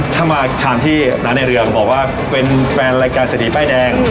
ถ้ามาทานที่ร้านในเรืองบอกว่าเป็นแฟนรายการเศรษฐีป้ายแดง